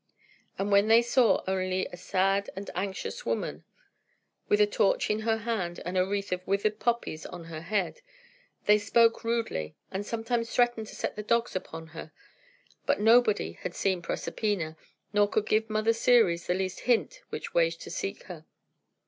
And when they saw only a sad and anxious woman, with a torch in her hand and a wreath of withered poppies on her head, they spoke rudely, and sometimes threatened to set the dogs upon her. But nobody had seen Proserpina, nor could give Mother Ceres the least hint which way to seek her.